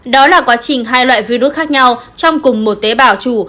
đó là quá trình hai loại virus khác nhau trong cùng một tế bào chủ